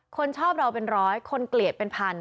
คนชอบเราเป็นร้อยคนเกลียดเป็นพัน